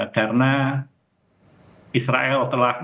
karena israel telah melakukan